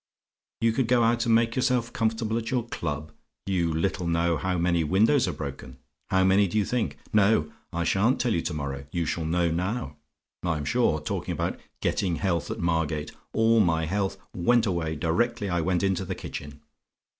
"You could go out and make yourself comfortable at your club. You little know how many windows are broken. How many do you think? No: I sha'n't tell you to morrow you shall know now. I'm sure! Talking about getting health at Margate; all my health went away directly I went into the kitchen.